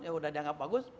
ya udah dianggap bagus